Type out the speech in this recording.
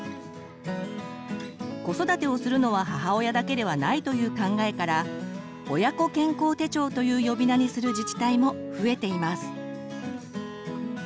子育てをするのは母親だけではないという考えから「親子健康手帳」という呼び名にする自治体も増えています。